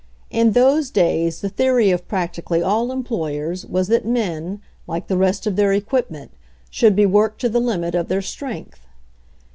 In those days the theory of practically all employers was that men, like the rest of their equipment, should be worked to the limit of their strength.